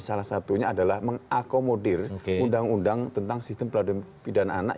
salah satunya adalah mengakomodir undang undang tentang sistem peradilan pidana anak